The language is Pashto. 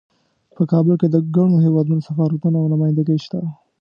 په کابل کې د ګڼو هیوادونو سفارتونه او نمایندګۍ شته